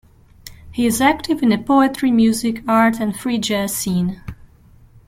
He is active in the poetry, music, art, and free jazz scene.